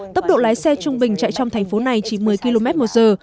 tốc độ lái xe trung bình chạy trong thành phố này chỉ một mươi km một giờ